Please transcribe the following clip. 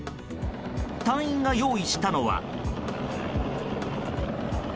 隊員が用意したのは。